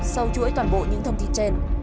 sau chuỗi toàn bộ những thông tin trên